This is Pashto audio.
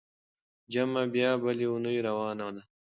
جمعه بيا بله اونۍ راروانه ده.